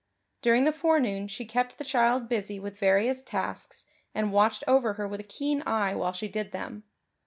During the forenoon she kept the child busy with various tasks and watched over her with a keen eye while she did them.